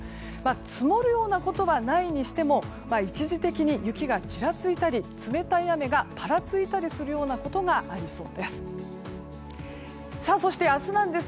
積もるようなことはないにしても一時的に雪がちらついたり冷たい雨がぱらついたりするようなことがありそうです。